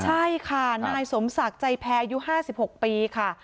ใช่ค่ะนายสมศักดิ์ใจแพรอายุ๕๖ปีค่ะ